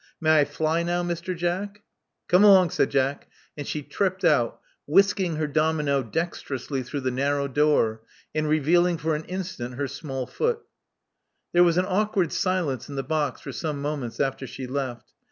May I fly now, Mr. Jack?" Come along," said Jack; and she tripped out, whisking her domino dexterously through the narrow door, and revealing for an instant her small foot. There was an awkward silence in the box for some moments after she left.